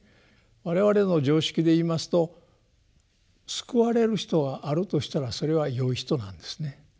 我々の常識で言いますと救われる人はあるとしたらそれはよい人なんですね。